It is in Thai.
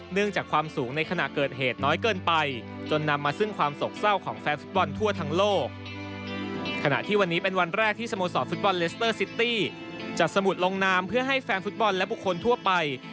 เนื่องจากความสูงในขณะเกิดเหตุน้อยเกินไป